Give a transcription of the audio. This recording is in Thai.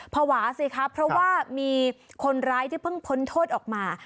ภาวะสิครับเพราะว่ามีคนร้ายที่เพิ่งพ้นโทษออกมา